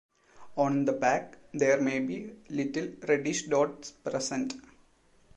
On the back there may be little reddish dots present.